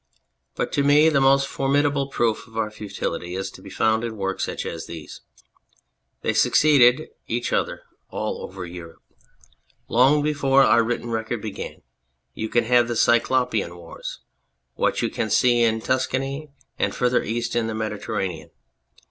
But to me the most formidable proof of our futility is to be found in works such as these. They succeed each other all over Europe. Long before our written record began you have the Cyclopaean Wars ; what you can see in Tuscany and further east in the Mediterranean.